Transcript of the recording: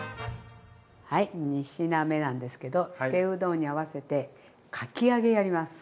はい２品目なんですけどつけうどんに合わせてかき揚げやります。